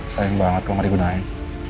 sayang banget kok gak digunain